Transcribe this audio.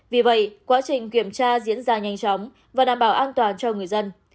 vì vậy quá trình kiểm tra diễn ra nhanh chóng và đảm bảo an toàn cho người dân